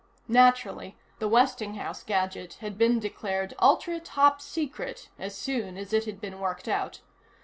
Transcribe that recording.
Naturally, the Westinghouse gadget had been declared Ultra Top Secret as soon as it had been worked out.